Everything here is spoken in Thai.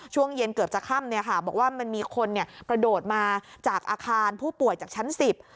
ช่วงเย็นเกือบจะค่ำเนี่ยค่ะบอกว่ามันมีคนเนี่ยกระโดดมาจากอาคารผู้ป่วยจากชั้นสิบ